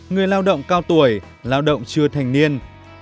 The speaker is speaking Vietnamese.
người lao động cao tuổi lao động chưa thành niên